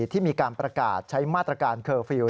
ที่มีการประกาศใช้มาตรการเคอร์ฟิลล